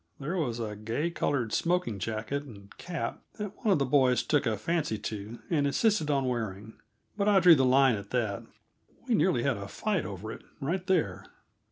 There was a gay colored smoking jacket and cap that one of the boys took a fancy to and insisted on wearing, but I drew the line at that. We nearly had a fight over it, right there.